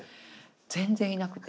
全然いなくて。